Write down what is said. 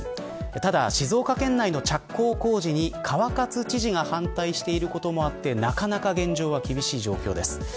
ただ、静岡県内の着工工事に川勝知事が反対していることもあってなかなか現状は厳しい状況です。